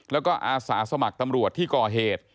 แล้วก็อาสาสมัครตำรวจที่ก่อเหตุ